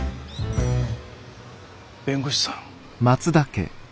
弁護士さん？